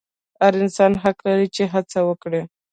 هر انسان حق لري چې هڅه وکړي.